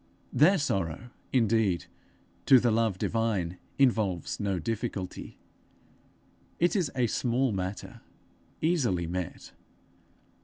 Their sorrow, indeed, to the love divine, involves no difficulty; it is a small matter, easily met.